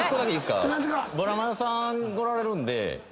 ブラマヨさんおられるんで。